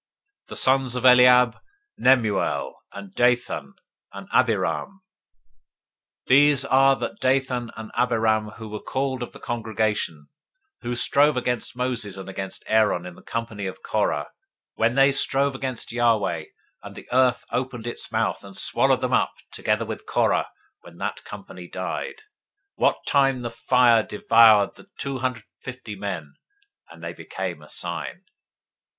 026:009 The sons of Eliab: Nemuel, and Dathan, and Abiram. These are that Dathan and Abiram, who were called of the congregation, who strove against Moses and against Aaron in the company of Korah, when they strove against Yahweh, 026:010 and the earth opened its mouth, and swallowed them up together with Korah, when that company died; what time the fire devoured two hundred fifty men, and they became a sign.